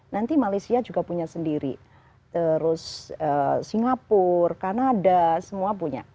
nanti malaysia juga punya sendiri terus singapura kanada semua punya